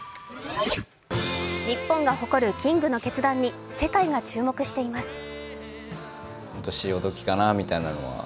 日本が誇るキングの決断に世界が注目しています。